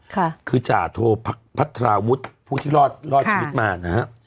ค่ะคือจ่าโทพัฒนาวุฒิผู้ที่รอดรอดชีวิตมานะฮะ